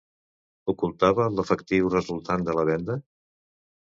Ocultava l'efectiu resultant de la venda?